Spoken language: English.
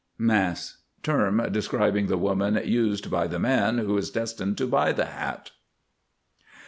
Mas. Term describing the woman used by the man who is destined to buy the hat.